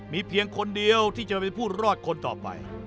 มีเพียงคนเดียวที่จะเป็นผู้รอดคนต่อไป